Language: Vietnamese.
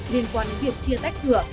liên quan đến việc chia tách cửa